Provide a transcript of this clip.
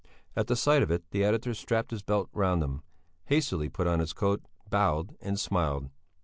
At the sight of it the editor strapped his belt round him, hastily put on his coat, bowed and smiled.